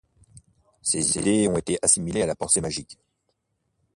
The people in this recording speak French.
Ses idées ont été assimilées à la pensée magique.